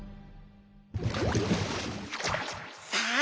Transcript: さあ